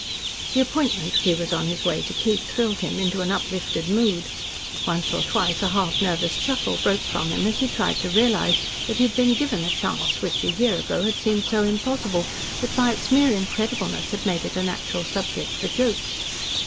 The appointment he was on his way to keep thrilled him into an uplifted mood. Once or twice a half nervous chuckle broke from him as he tried to realise that he had been given the chance which a year ago had seemed so impossible that its mere incredibleness had made it a natural subject for jokes.